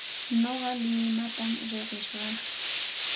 Nuqa limatam riqishaq.